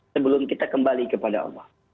sebelum kita kembali kepada allah